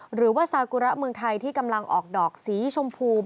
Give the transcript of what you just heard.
หรือว่าซากุระเมืองไทยที่กำลังออกดอกสีชมพู